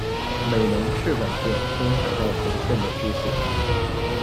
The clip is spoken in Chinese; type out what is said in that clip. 美浓赤坂线东海道本线的支线。